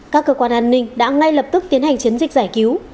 các cơ quan an ninh đã ngay lập tức tiến hành chiến dịch giải cứu